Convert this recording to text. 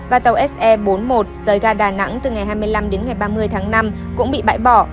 và tàu se bốn mươi một rời gà đà nẵng từ ngày hai mươi năm đến ngày ba mươi tháng năm cũng bị bãi bỏ